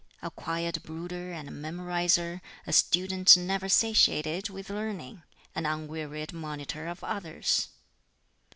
a quiet brooder and memorizer; a student never satiated with learning; an unwearied monitor of others!